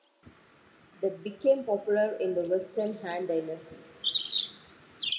The became popular in the Western Han dynasty.